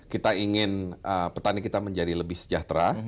kita ingin petani kita menjadi lebih sejahtera